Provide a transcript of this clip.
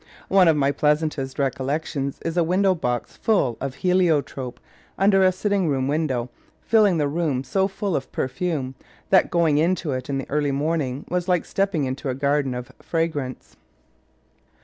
One of my pleasantest recollections is a window box full of Heliotrope un der a sitting room window, filling the room so full of perfume that going into it in the early morning was like stepping into a garden of fragrance.